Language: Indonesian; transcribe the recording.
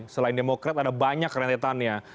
selain demokrat ada banyak rentetannya